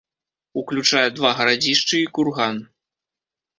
Уключае два гарадзішчы і курган.